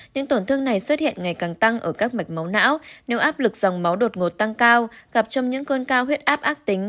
những tổn thương này xuất hiện ngày càng tăng ở các mạch máu não nếu áp lực dòng máu đột ngột tăng cao gặp trong những cơn cao huyết áp ác tính